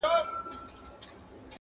اوس به څه وايي زامنو ته پلرونه!.